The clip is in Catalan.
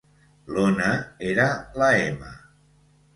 L'Ona era la m